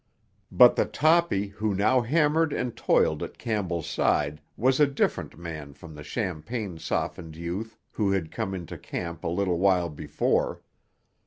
But the Toppy who now hammered and toiled at Campbell's side was a different man from the champagne softened youth who had come into camp a little while before.